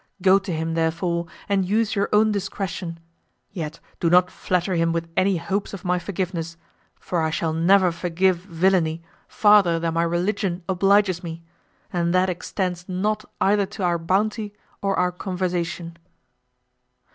Go to him, therefore, and use your own discretion; yet do not flatter him with any hopes of my forgiveness; for I shall never forgive villany farther than my religion obliges me, and that extends not either to our bounty or our conversation."